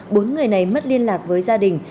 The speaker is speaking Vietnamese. bốn người này mất liên lạc với gia đình